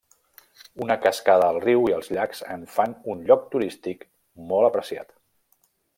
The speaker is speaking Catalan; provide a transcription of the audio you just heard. Una cascada al riu i els llacs en fan un lloc turístic molt apreciat.